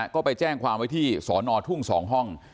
ก็ไปแจ้งความไว้ที่สอนอทุ่ง๒ห้อง